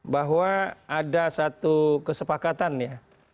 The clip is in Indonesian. bahwa ada satu kesepakatan ya